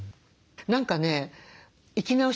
何かね生き直してます。